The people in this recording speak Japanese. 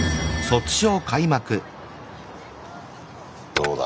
どうだ？